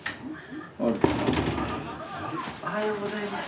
おはようございます。